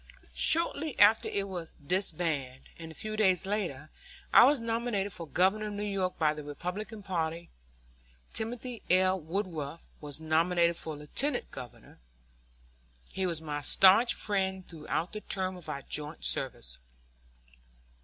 Shortly after it was disbanded, and a few days later, I was nominated for Governor of New York by the Republican party. Timothy L. Woodruff was nominated for Lieutenant Governor. He was my stanch friend throughout the term of our joint service.